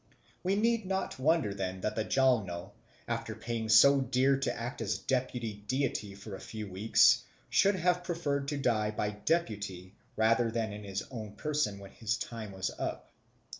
We need not wonder then that the Jalno, after paying so dear to act as deputy deity for a few weeks, should have preferred to die by deputy rather than in his own person when his time was up.